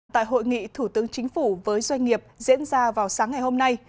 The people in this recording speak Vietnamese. tại hội nghị thủ tướng chính phủ với doanh nghiệp diễn ra vào sáng ngày hôm nay